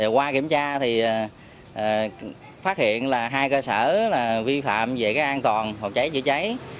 qua kiểm tra thì phát hiện là hai cơ sở vi phạm về an toàn phòng cháy chữa cháy